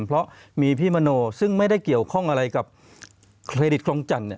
เพราะมีพี่มโนซึ่งไม่ได้เกี่ยวข้องอะไรกับเครดิตคลองจันทร์